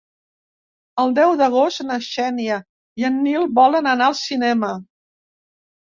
El deu d'agost na Xènia i en Nil volen anar al cinema.